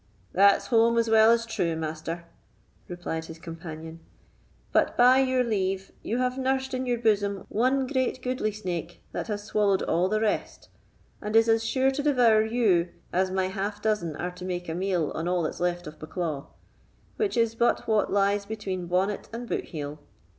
"That's home as well as true, Master," replied his companion; "but, by your leave, you have nursed in your bosom one great goodly snake that has swallowed all the rest, and is as sure to devour you as my half dozen are to make a meal on all that's left of Bucklaw, which is but what lies between bonnet and boot heel."